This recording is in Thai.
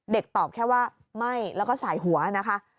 ตอบแค่ว่าไม่แล้วก็สายหัวนะคะ